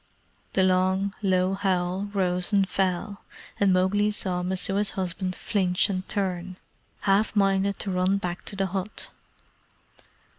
The long, low howl rose and fell, and Mowgli saw Messua's husband flinch and turn, half minded to run back to the hut.